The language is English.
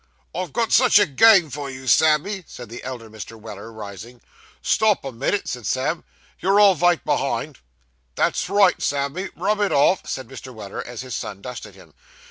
'I've got such a game for you, Sammy,' said the elder Mr. Weller, rising. 'Stop a minit,' said Sam, 'you're all vite behind.' 'That's right, Sammy, rub it off,' said Mr. Weller, as his son dusted him.